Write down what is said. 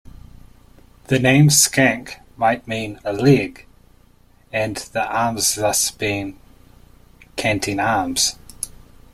The name Skanke might mean "a leg" and the arms thus being canting arms.